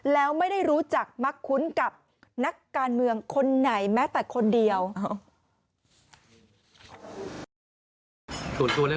แล้วไม่ได้รู้จักมักคุ้นกับนักการเมืองคนไหนแม้แต่คนเดียว